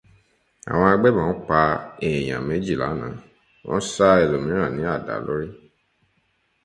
Àwọn agbébọn pa èèyàn méjì lánàá. wọ́n ṣá ẹlòmíràn ní àdá lórí